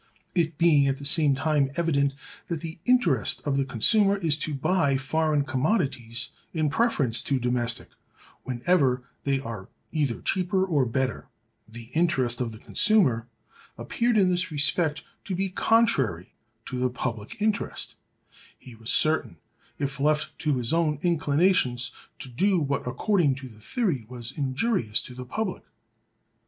It being at the same time evident that the interest of the consumer is to buy foreign commodities in preference to domestic whenever they are either cheaper or better, the interest of the consumer appeared in this respect to be contrary to the public interest; he was certain, if left to his own inclinations, to do what according to the theory was injurious to the public.